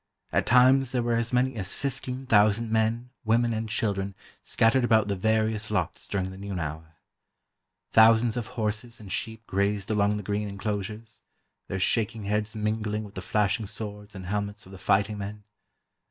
At times there were as many as fifteen thousand men, women and children scattered about the various lots during the noon hour. Thousands of horses and sheep grazed along the green enclosures, their shaking heads mingling with the flashing swords and helmets of the fighting men.